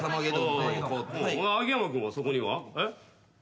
秋山君はそこには？